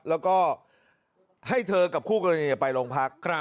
แล้วก็ให้เธอกับคู่กลางเนี่ยไปลงพัก